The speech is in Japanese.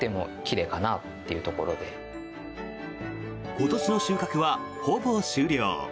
今年の収穫はほぼ終了。